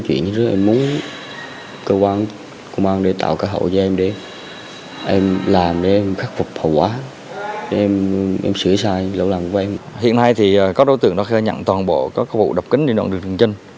các đối tượng đã khai nhận toàn bộ có khẩu vụ đập kính đi đoạn đường đường chân